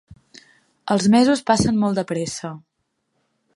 Els mesos passen molt de pressa.